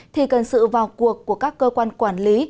thì cần sự vào cuộc của các cơ quan quản lý